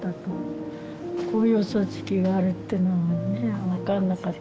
こういうお葬式があるっていうのはね分かんなかった。